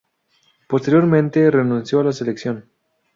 Posteriormente, renunció a la selección.